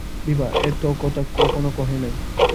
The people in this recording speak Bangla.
বিভা এত কথা কখনো কহে নাই।